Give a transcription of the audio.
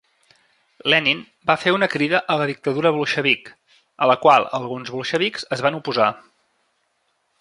Lenin va fer una crida a la dictadura bolxevic, a la qual alguns bolxevics es van oposar.